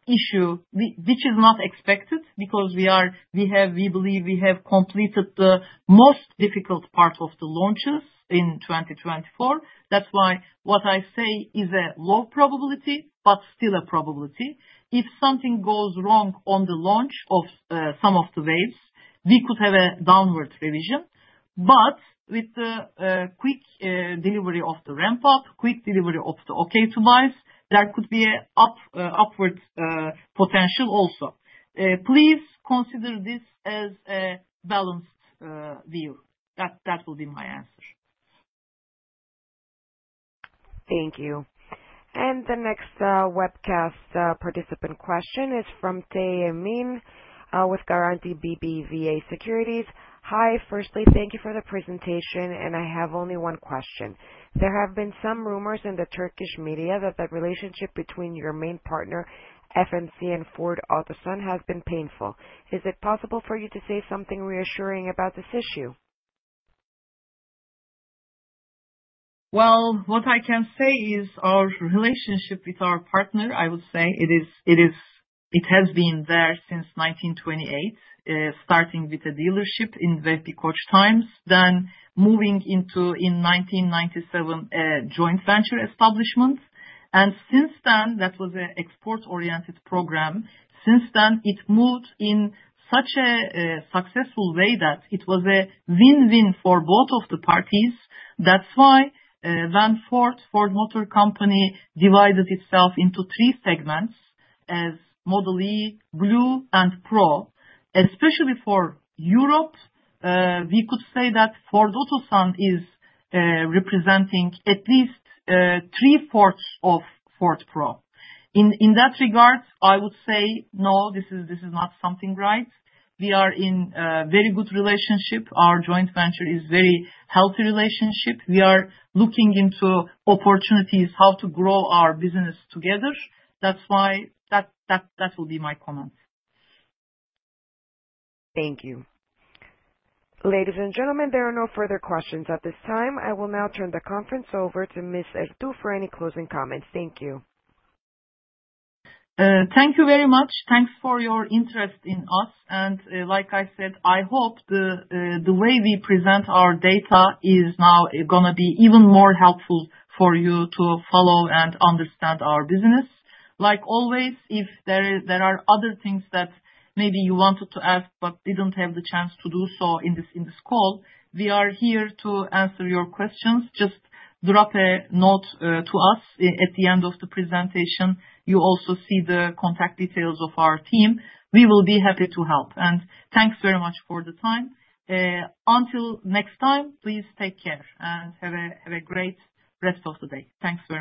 issue which is not expected because we have, we believe we have completed the most difficult part of the launches in 2024. That's why what I say is a low probability, but still a probability. If something goes wrong on the launch of some of the waves, we could have a downward revision. With the quick delivery of the ramp-up, quick delivery of the OK to buy, there could be an upward potential also. Please consider this as a balanced view. That will be my answer. Thank you. The next webcast participant question is from Emin Tay with Garanti BBVA Securities. Hi. Firstly, thank you for the presentation, and I have only one question. There have been some rumors in the Turkish media that the relationship between your main partner, FMC and Ford Otosan, has been painful. Is it possible for you to say something reassuring about this issue? Well, what I can say is our relationship with our partner. I would say it is. It has been there since 1928, starting with a dealership in Vehbi Koç times, then moving into, in 1997, a joint venture establishment. Since then, that was an export-oriented program. Since then, it moved in such a successful way that it was a win-win for both of the parties. That's why, then Ford Motor Company divided itself into three segments as Ford Model e, Ford Blue and Ford Pro. Especially for Europe, we could say that Ford Otosan is representing at least three-fourths of Ford Pro. In that regard, I would say, no, this is not something right. We are in a very good relationship. Our joint venture is very healthy relationship. We are looking into opportunities how to grow our business together. That's why. That will be my comment. Thank you. Ladies and gentlemen, there are no further questions at this time. I will now turn the conference over to Ms. Gül Ertuğ for any closing comments. Thank you. Thank you very much. Thanks for your interest in us. Like I said, I hope the way we present our data is now gonna be even more helpful for you to follow and understand our business. Like always, if there are other things that maybe you wanted to ask but didn't have the chance to do so in this call, we are here to answer your questions. Just drop a note to us at the end of the presentation. You also see the contact details of our team. We will be happy to help. Thanks very much for the time. Until next time, please take care and have a great rest of the day. Thanks very much.